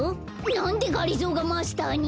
なんでがりぞーがマスターに？